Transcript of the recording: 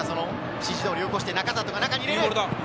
指示通り追い越して仲里が中に入れる。